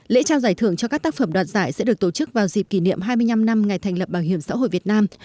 lễ trao giải thưởng cho các tác phẩm đoạt giải sẽ được tổ chức vào dịp kỷ niệm hai mươi năm năm ngày thành lập bảo hiểm xã hội việt nam